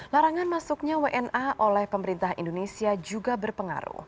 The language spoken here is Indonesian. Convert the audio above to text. larangan masuknya wna oleh pemerintah indonesia juga berpengaruh